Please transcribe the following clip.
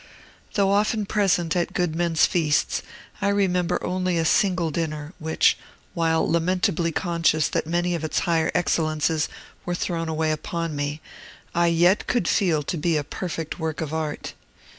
Though often present at good men's feasts, I remember only a single dinner, which, while lamentably conscious that many of its higher excellences were thrown away upon me, I yet could feel to be a perfect work of art.